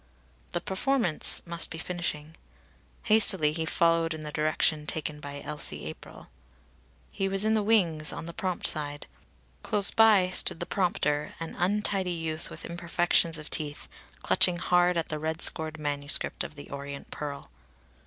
The performance must be finishing. Hastily he followed in the direction taken by Elsie April. He was in the wings, on the prompt side. Close by stood the prompter, an untidy youth with imperfections of teeth, clutching hard at the red scored manuscript of "The Orient Pearl."